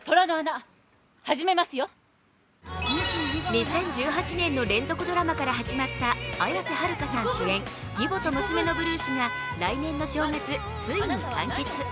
２０１８年の連続ドラマから始まった綾瀬はるかさん主演「義母と娘のブルース」が来年の正月、ついに完結。